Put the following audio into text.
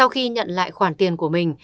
khi nhận lại khoản tiền của mình